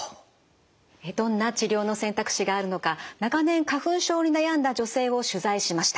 どんな治療の選択肢があるのか長年花粉症に悩んだ女性を取材しました。